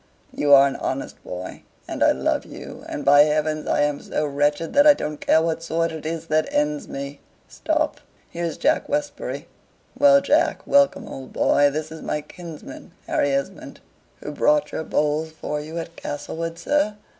"You are an honest boy, and I love you; and, by heavens, I am so wretched that I don't care what sword it is that ends me. Stop, here's Jack Westbury. Well, Jack! Welcome, old boy! This is my kinsman, Harry Esmond." "Who brought your bowls for you at Castlewood, sir?"